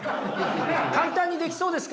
簡単にできそうですか？